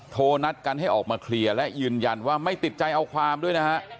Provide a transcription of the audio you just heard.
โทรนัดกันให้ออกมาเคลียร์และยืนยันว่าไม่ติดใจเอาความด้วยนะฮะ